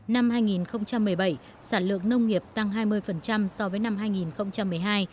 năm hai nghìn một mươi bảy sản lượng nông nghiệp tăng hai mươi so với năm hai nghìn một mươi hai